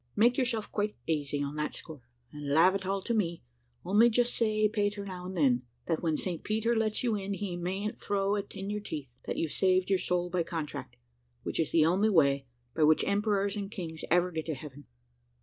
Make yourself quite asy on that score, and lave it all to me; only just say a pater now and then, that when St. Peter lets you in, he mayn't throw it in your teeth, that you've saved your soul by contract, which is the only way by which emperors and kings ever get to heaven.